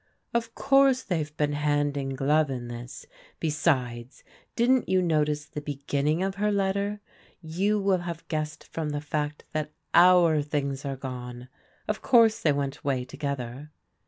" Of course the/ve been hand in glove in this. Be sides, didn't you notice the beginning of her letter? ' You will have guessed from the fact that our things are gone.' Of course they went away together."